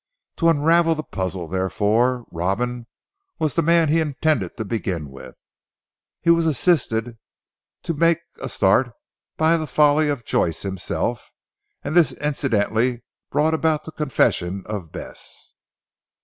To unravel the puzzle therefore, Robin was the man he intended to begin with. He was assisted to make a start by the folly of Joyce himself, and this incidentally brought about the confession of Bess.